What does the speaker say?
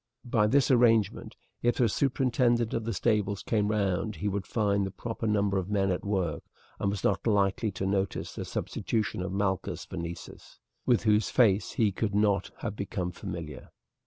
By this arrangement if the superintendent of the stables came round he would find the proper number of men at work, and was not likely to notice the substitution of Malchus for Nessus, with whose face he could not yet have become familiar.